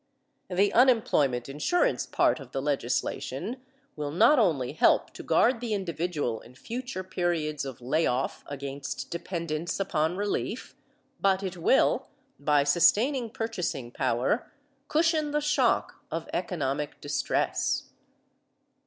The unemployment insurance part of the legislation will not only help to guard the individual in future periods of lay off against dependence upon relief, but it will, by sustaining purchasing power, cushion the shock of economic distress.